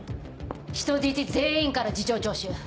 人質全員から事情聴取。